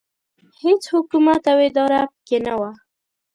هېڅ حکومت او اداره پکې نه وه.